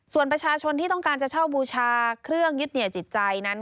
ส่วนประชาชนที่ต้องการจะเช่าบูชาเครื่องยึดเหนียวจิตใจนั้น